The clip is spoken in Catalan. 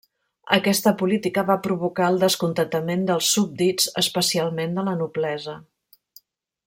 Aquesta política va provocar el descontentament dels súbdits, especialment de la noblesa.